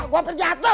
gue hampir jatuh